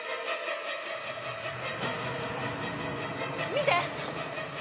見て！